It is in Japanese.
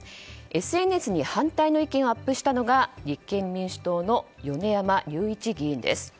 ＳＮＳに反対の意見をアップしたのが立憲民主党の米山隆一議員です。